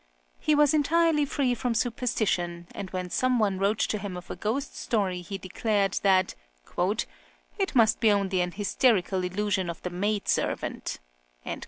He was entirely free from superstition, and when some one wrote to him of a ghost story he declared that "it must be only an hysterical illusion of the maid servant."